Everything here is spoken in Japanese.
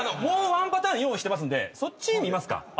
もう１パターン用意してますんでそっち見ますか？